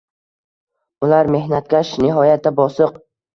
Ular mehnatkash, nihoyatda bosiq.